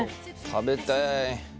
食べたい。